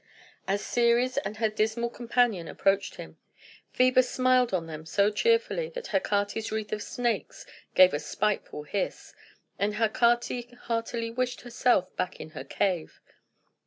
As Ceres and her dismal companion approached him, Phœbus smiled on them so cheerfully that Hecate's wreath of snakes gave a spiteful hiss, and Hecate heartily wished herself back in her cave.